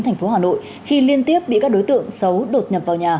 thành phố hà nội khi liên tiếp bị các đối tượng xấu đột nhập vào nhà